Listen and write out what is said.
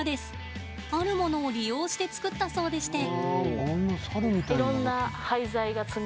あるものを利用してつくったそうでして。